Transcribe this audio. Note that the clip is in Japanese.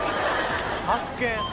発見！